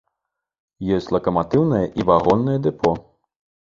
Ёсць лакаматыўнае і вагоннае дэпо.